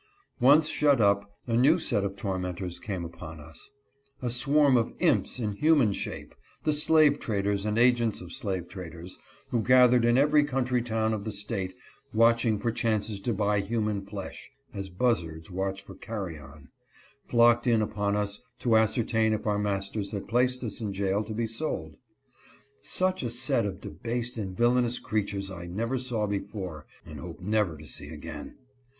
Once shut up, a new set of tormentors came upon us. A swarm of imps in human shape — the slave traders and agents of slave traders — who gathered in every country town of the State watching for chances to buy human flesh (as buzzards watch for carrion), flocked in upon us to ascertain if our masters had placed us in jail BUZZARDS ABOUT. 215 to be sold. Such a set of debased and villainous creatures I never saw before and hope never to see again.